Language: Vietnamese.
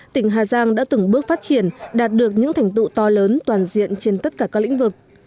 tỉnh hà giang đã từng bước phát triển đạt được những thành tựu to lớn toàn diện trên tất cả các lĩnh vực